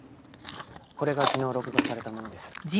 これが昨日録画されたものです。